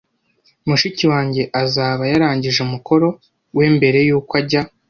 Mushiki wanjye azaba yarangije umukoro we mbere yuko ajya